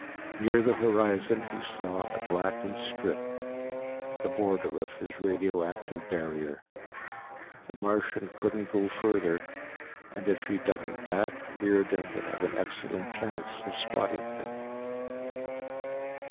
Near the horizon he saw a blackened strip, the border of his radioactive barrier. The Martian couldn't go further, and if he doubled back Riordan would have an excellent chance of spotting him.